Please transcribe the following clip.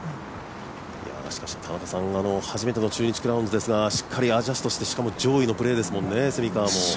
しかし初めての中日クラウンズですがしっかりアジャストして上位のプレーですもんね。